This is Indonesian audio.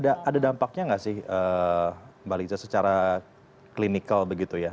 tapi ada dampaknya gak sih baliza secara klinikal begitu ya